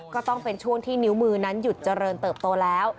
ก็ต้องเป็นช่วงที่นิ้วมือนั้นหยุดเจริญเติบโตแล้ว